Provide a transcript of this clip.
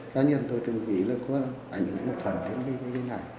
cá nhân tôi thường nghĩ là có ảnh hưởng một phần đến cái này